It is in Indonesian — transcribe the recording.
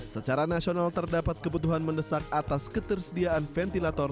secara nasional terdapat kebutuhan mendesak atas ketersediaan ventilator